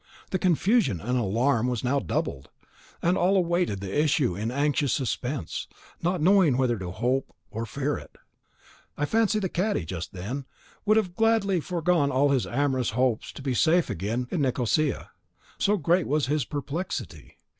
The confusion and alarm was now doubled, and all awaited the issue in anxious suspense, not knowing whether to hope or fear it. I fancy the cadi, just then, would have gladly foregone all his amorous hopes to be safe again in Nicosia, so great was his perplexity.